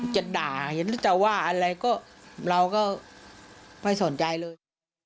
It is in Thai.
จะด่าเห็นหรือจะว่าอะไรก็เราก็ไม่สนใจเลย